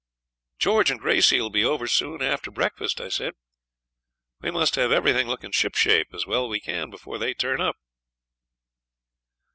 'George and Gracey 'll be over soon after breakfast,' I said; 'we must have everything look ship shape as well as we can before they turn up.'